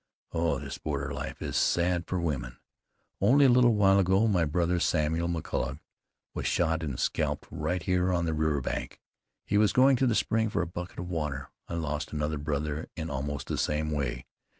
Oh! this border life is sad for women. Only a little while ago my brother Samuel McColloch was shot and scalped right here on the river bank. He was going to the spring for a bucket of water. I lost another brother in almost the same way.